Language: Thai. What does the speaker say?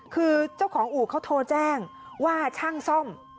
คือเจ้าของอู่เขาโทรแจ้งว่าช่างซ่อม